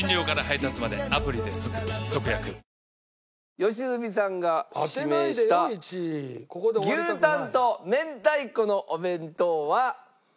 良純さんが指名した牛たんと明太子のお弁当は。